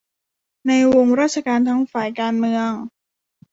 ในวงราชการทั้งฝ่ายการเมือง